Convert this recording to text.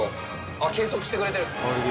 あっ計測してくれてる。